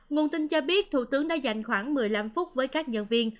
nguồn tin cho biết thủ tướng đã dành khoảng một mươi năm phút với các nhân viên